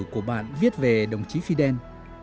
của bạn viết về đồng chí fidel